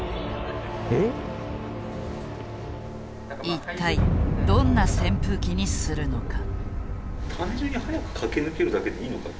一体どんな扇風機にするのか。